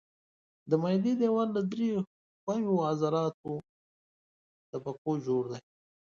د معدې دېوال له درې ښویو عضلاتي طبقو جوړ دی.